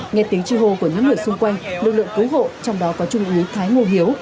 nghe tiếng chi hô của những người xung quanh lực lượng cứu hộ trong đó có trung úy thái ngô hiếu